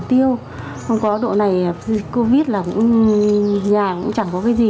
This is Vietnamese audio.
thì nhà cũng chẳng có cái gì cả